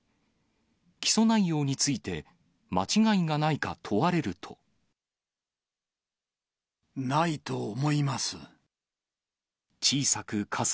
起訴内容について間違いがないかないと思います。